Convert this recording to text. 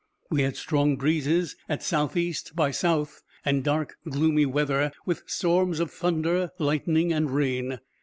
We had strong breezes at south east by south, and dark gloomy weather, with storms of thunder, lightning, and rain.